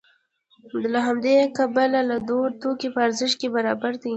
له همدې کبله دا دوه توکي په ارزښت کې برابر دي